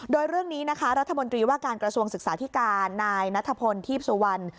โดยเรื่องนี้นะคะรัฐมนตรีว่าการกระทรวงศึกษาธิการนายนัทพลทีพสุวรรณ